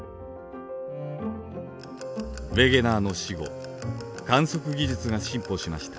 ウェゲナーの死後観測技術が進歩しました。